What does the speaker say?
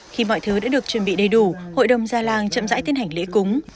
khi mọi thứ đã được chuẩn bị đầy đủ hội đồng gia làng chậm dãi tiến hành lễ cúng